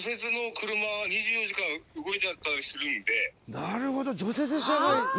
なるほど！